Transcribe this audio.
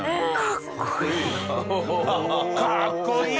かっこいい。